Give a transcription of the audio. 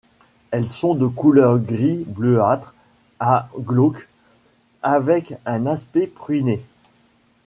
Elles sont de couleur gris-bleuâtres à glauques, avec un aspect pruiné.